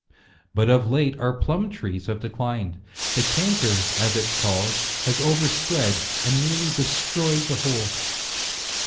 But of late our plum trees have declined ; the canker, as it is called, has overspread, and nearly destroyed the whole.